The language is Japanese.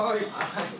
はい。